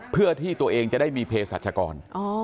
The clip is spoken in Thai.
เพื่อที่ตัวเองจะได้มีเพศสัชกร